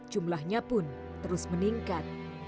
jumlahnya pun terus meningkat